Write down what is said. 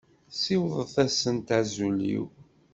Siwḍet-asent azul-iw.